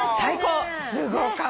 すごかったです。